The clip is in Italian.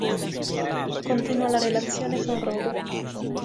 Continua la relazione con Robert.